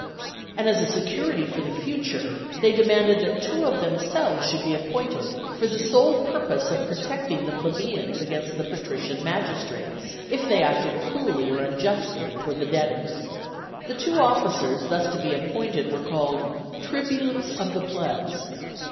And as a security for the future, they demanded that two of themselves should be appointed for the sole purpose of protecting the plebeians against the patrician magistrates, if they acted cruelly or unjustly toward the debtors. The two officers thus to be appointed were called "Tribunes of the Plebs."